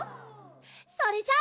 それじゃあ。